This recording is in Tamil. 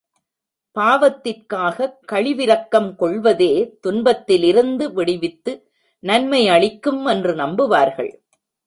பாவத்திற்காகக் கழிவிரக்கம் கொள்வதே துன்பத்திலிருந்து விடுவித்து நன்மையளிக்கும் என்று நம்புவார்கள்.